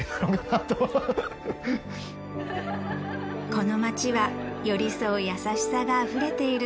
この街は寄り添う優しさがあふれている